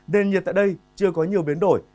nền nhiệt tại đây chưa có nhiều biến đổi